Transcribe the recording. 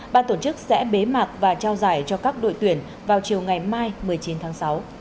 ban tổ chức sẽ bế mạc và trao giải cho các đội tuyển vào chiều ngày mai một mươi chín tháng sáu